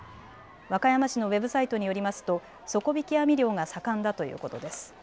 和歌山市のウェブサイトによりますと底引き網漁が盛んだということです。